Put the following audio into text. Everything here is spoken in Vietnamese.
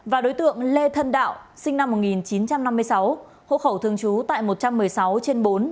và đối tượng lê thân đạo sinh năm một nghìn chín trăm năm mươi sáu hộ khẩu thường trú tại một trăm một mươi sáu trên bốn